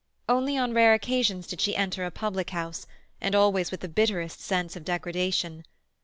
Only on rare occasions did she enter a public house, and always with the bitterest sense of degradation.